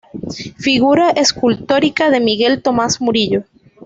Figura Escultórica de Miguel Tomás Murillo.